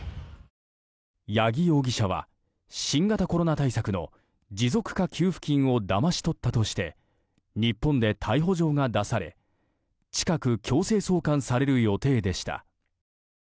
八木容疑者は新型コロナ対策の持続化給付金をだまし取ったとして日本で逮捕状が出され近く強制送還される予定でした。